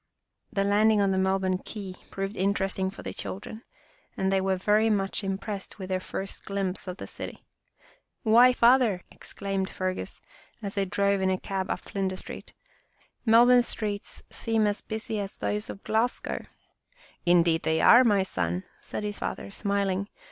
The landing on the Melbourne quay proved interesting for the children, and they were very much impressed with their first glimpse of the city. " Why, Father," exclaimed Fergus, as they drove in a cab up Flinders Street, " Melbourne streets seem as busy as those of Glasgow !"" Indeed they are, my son," said his father, smiling.